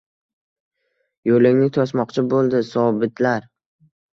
Yo’lingni to’smoqchi bo’ldi zobitlar